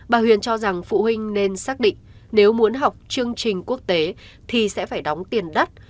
bà huyền cho rằng phụ huynh nên xác định nếu muốn học chương trình quốc tế thì sẽ phải đóng tiền đất